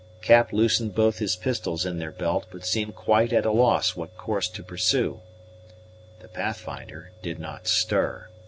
Cap loosened both his pistols in their belt, but seemed quite at a loss what course to pursue. The Pathfinder did not stir.